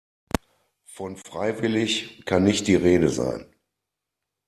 Von freiwillig kann nicht die Rede sein.